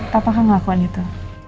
papa akan melakukan itu